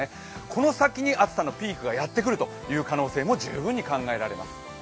この先に暑さのピークがやってくる可能性も十分考えられます。